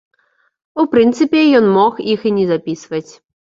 У прынцыпе, ён мог іх і не запісваць.